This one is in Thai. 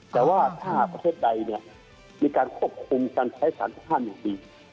แต่ว่าถ้าประเทศใดเนี่ยมีการควบคุมการใช้สถานการณ์อย่างดี